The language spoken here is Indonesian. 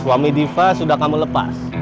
suami diva sudah kamu lepas